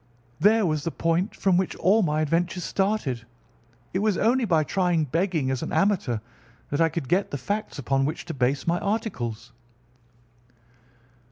There was the point from which all my adventures started. It was only by trying begging as an amateur that I could get the facts upon which to base my articles.